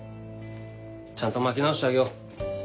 ちゃんと巻き直してあげよう。